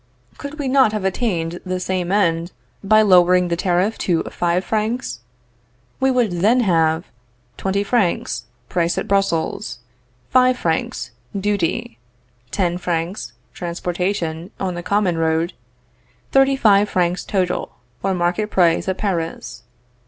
Could we not have attained the same end by lowering the tariff to five francs? We would then have 20 francs price at Brussels. 5 " duty. 10 " transportation on the common road. 35 francs total, or market price at Paris.